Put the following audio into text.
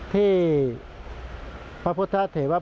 ที่พระพุทธเทวปฏิมากร